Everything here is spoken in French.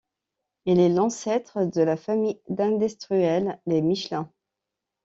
Il est l'ancêtre de la famille d'industriels, les Michelin.